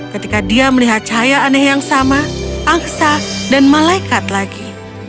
ketika dia melihat cahaya aneh yang sama angsa dan malaikat lagi